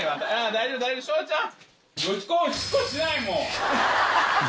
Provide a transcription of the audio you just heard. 大丈夫大丈夫正ちゃん！